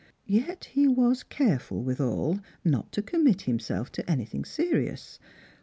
Yet he was careful, withal, not to com mit himself to anything serious.